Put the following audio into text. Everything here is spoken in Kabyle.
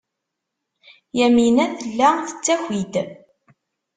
Yamina tella tettaki-d.